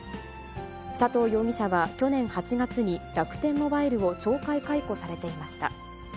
佐藤容疑者は去年８月に楽天モバイルを懲戒解雇されていました。